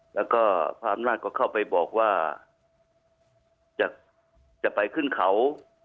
แล้วก็พระอำนาจก็เข้าไปบอกว่าจะไปขึ้นเขา